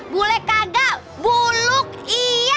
bule kagak buluk ia